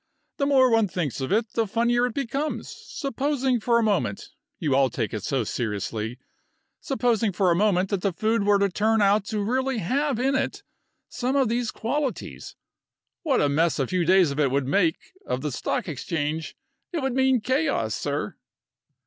"The more one thinks of it, the funnier it becomes. Supposing for a moment you all take it so seriously supposing for a moment that the food were to turn out to really have in it some of these qualities, what a mess a few days of it would make of the Stock Exchange! It would mean chaos, sir!"